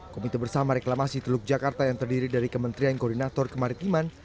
komite bersama reklamasi teluk jakarta yang terdiri dari kementerian koordinator kemaritiman